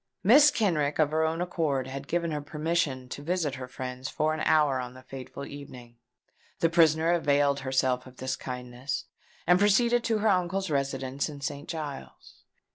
Mrs. Kenrick of her own accord had given her permission to visit her friends for an hour on the fatal evening. The prisoner availed herself of this kindness, and proceeded to her uncle's residence in St. Giles's.